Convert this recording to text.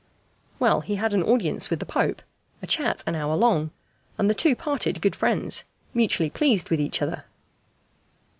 Well, he had an audience with the Pope a chat an hour long and the two parted good friends, mutually pleased with each other.